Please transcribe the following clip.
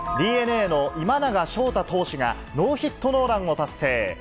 ＤｅＮＡの今永昇太投手が、ノーヒットノーランを達成。